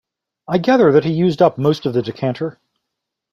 I gather that he used up most of the decanter.